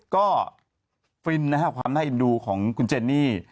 ก็ฟินความหน้าอินดูของคุณเจนนี่